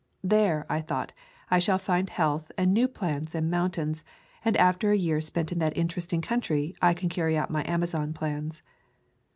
There, I thought, I shall find health and new plants and moun tains, and after a year spent in that interesting country I can carry out my Amazon plans.